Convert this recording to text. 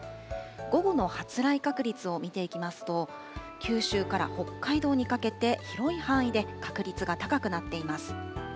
午後の発雷確率を見ていきますと、九州から北海道にかけて広い範囲で確率が高くなっています。